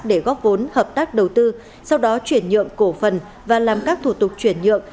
để góp vốn hợp tác đầu tư sau đó chuyển nhượng cổ phần và làm các thủ tục chuyển nhượng